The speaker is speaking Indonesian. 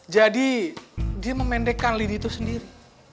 jadi dia memendekkan lidi itu sendiri